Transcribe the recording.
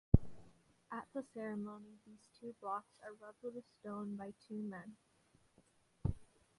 Atthe ceremony these two blocks are rubbed with a stone by two men.